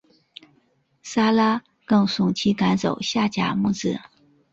撒拉更怂其赶走夏甲母子。